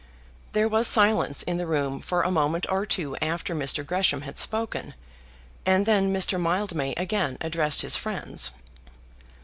There was silence in the room for a moment or two after Mr. Gresham had spoken, and then Mr. Mildmay again addressed his friends.